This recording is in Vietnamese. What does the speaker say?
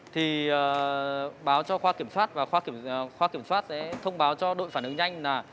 thì báo cho khoa kiểm soát và khoa kiểm soát sẽ thông báo cho đội phản ứng nhanh là